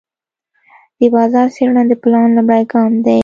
د بازار څېړنه د پلان لومړی ګام دی.